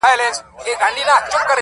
خدایه چي د مرگ فتواوي ودروي نور~